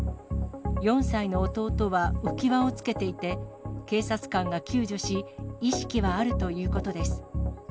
４歳の弟は浮き輪をつけていて、警察官が救助し、意識はあるということです。